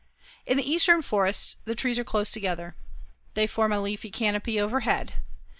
In the eastern forests the trees are close together. They form a leafy canopy overhead.